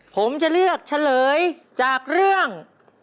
ผมจะเลือกเฉลยจากเรื่อง